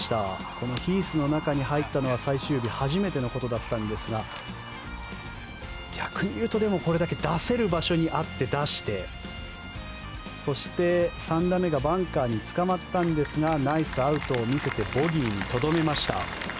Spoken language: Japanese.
このヒースの中に入ったのは最終日初めてのことだったんですが逆に言うとこれだけ出せる場所にあって出して、そして３打目がバンカーにつかまったんですがナイスアウトを見せてボギーにとどめました。